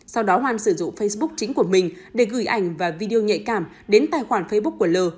sau đó hoan sử dụng facebook chính của mình để gửi ảnh và video nhạy cảm đến tài khoản facebook của l